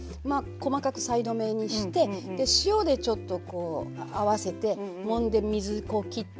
細かくさいの目にして塩でちょっとこう合わせてもんで水こう切っといて。